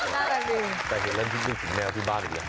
เออแต่เห็นแล้วชื่อสิ่งแมวที่บ้างอีกเหรอ